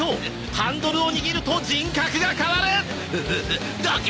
ハンドルを握ると人格が変わる！どけ！